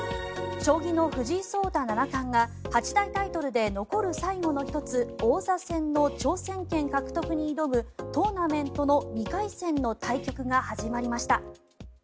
将棋の藤井聡太七冠が八大タイトルで残る最後の１つ王座戦の挑戦権獲得に挑むトーナメントの２回戦の対局が始まりました。